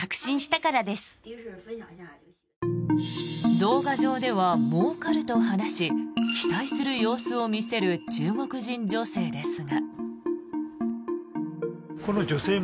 動画上ではもうかると話し期待する様子を見せる中国人女性ですが。